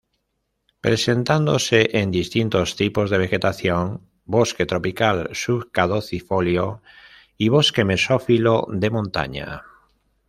Presentándose en distintos tipos de vegetación: Bosque Tropical-Subcadocifolio y Bosque Mesófilo de montaña.